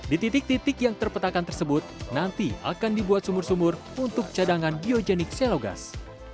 di titik titik yang terpetakan tersebut nanti akan dibuat sumur sumur untuk cadangan biogenik selogas